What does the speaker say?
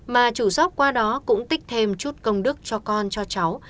mà chủ dốc qua đó cũng tích thêm chút công đức cho con cho cháu